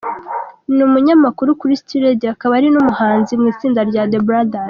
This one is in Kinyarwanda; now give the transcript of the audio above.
Ni umunyamakuru kuri City Radio, akaba ari n’umuhanzi mu itsinda rya The Brothers.